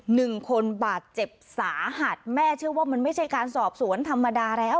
หนึ่งคนบาดเจ็บสาหัสแม่เชื่อว่ามันไม่ใช่การสอบสวนธรรมดาแล้ว